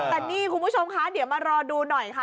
แต่นี่คุณผู้ชมคะเดี๋ยวมารอดูหน่อยค่ะ